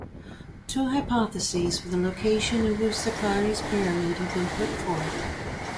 Two hypotheses for the location of Userkare's pyramid have been put forth.